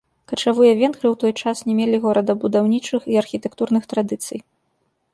Качавыя венгры ў той час не мелі горадабудаўнічых і архітэктурных традыцый.